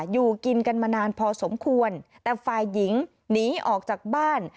อยู่กินกันมานานพอสมควรแต่ฝ่ายหญิงหนีออกจากบ้าน